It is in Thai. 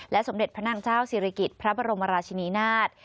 สมเด็จพระนางเจ้าศิริกิจพระบรมราชินีนาฏ